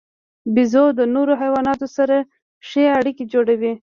بیزو د نورو حیواناتو سره ښې اړیکې جوړوي.